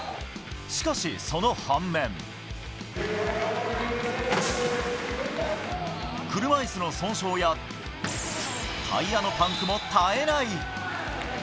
しかしその反面、車いすの損傷やタイヤのパンクも絶えない。